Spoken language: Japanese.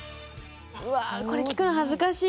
うわーこれ聞くの恥ずかしい。